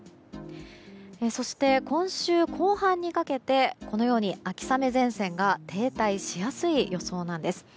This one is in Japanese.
そして、今週後半にかけて秋雨前線が停滞しやすい予想なんです。